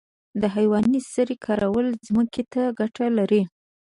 د حیواني سرې کارول ځمکې ته ګټه لري